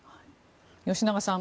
吉永さん